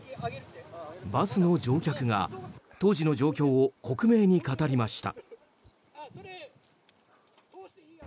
バスの乗客が当時の状況を克明に語りました。